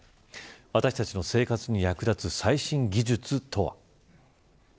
私たちの生活に役立つ最新技術とは。